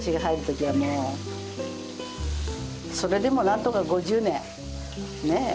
それでもなんとか５０年ねえ。